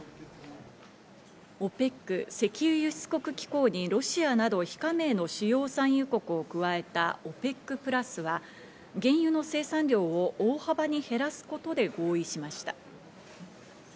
ＯＰＥＣ＝石油輸出国機構にロシアなど非加盟の主要産油国を加えたＯＰＥＣプラスは、原油の生産量を大幅に減らすことで合意しました。